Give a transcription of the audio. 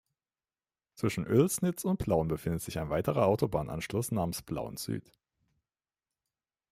Zwischen Oelsnitz und Plauen befindet sich ein weiterer Autobahnanschluss namens "Plauen-Süd".